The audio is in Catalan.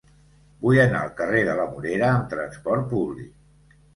Vull anar al carrer de la Morera amb trasport públic.